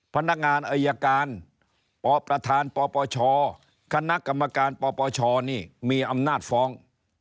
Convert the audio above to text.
พนักงานอายการปประธานปปชคณะกรรมการปปชนี่มีอำนาจฟ้อง